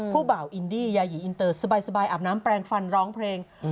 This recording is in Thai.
บ่าวอินดี้ยายีอินเตอร์สบายอาบน้ำแปลงฟันร้องเพลง